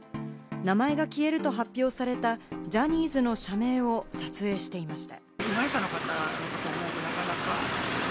名前が消えると発表されたジャニーズの社名を撮影していました。